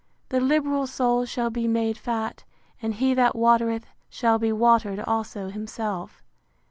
The liberal soul shall be made fat: And he that watereth, shall be watered also himself.